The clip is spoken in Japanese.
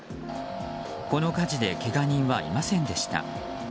この火事でけが人はいませんでした。